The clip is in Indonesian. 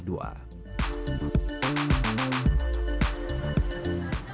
kembali ke babak tiga selesai